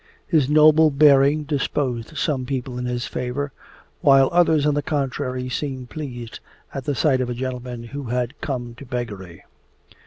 His noble bearing disposed some people in his favour, while others on the contrary seemed pleased at the sight of a gentleman who had come to beggary.